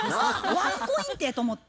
ワンコインてと思って。